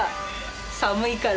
寒いから。